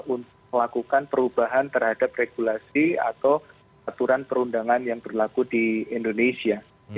untuk melakukan perubahan terhadap regulasi atau aturan perundangan yang berlaku di indonesia